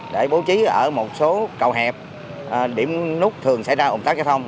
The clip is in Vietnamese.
để bố trí ở một số cầu hẹp điểm nút thường xảy ra ủng tác giao thông